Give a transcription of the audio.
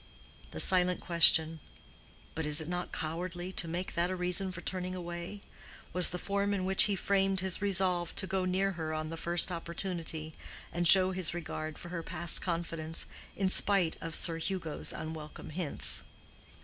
The silent question—"But is it not cowardly to make that a reason for turning away?" was the form in which he framed his resolve to go near her on the first opportunity, and show his regard for her past confidence, in spite of Sir Hugo's unwelcome hints.